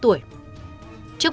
trước buộc khai bệnh